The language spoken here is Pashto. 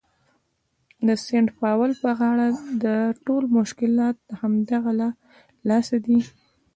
د سینټ پاول په غاړه ده، ټول مشکلات د همدغه له لاسه دي.